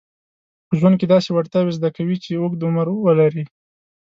په ژوند کې داسې وړتیاوې زده کوي چې اوږد عمر ولري.